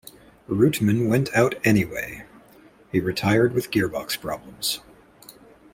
Reutemann went out anyway; he retired with gearbox problems.